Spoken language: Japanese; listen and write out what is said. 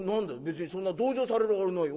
別にそんな同情されるあれないよ。